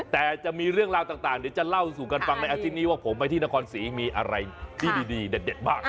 แต่จะมีเรื่องราวต่างเดี๋ยวจะเล่าสู่กันฟังในอาทิตย์นี้ว่าผมไปที่นครศรีมีอะไรที่ดีเด็ดบ้าง